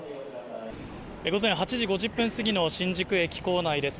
午前８時５０分過ぎの新宿駅構内です。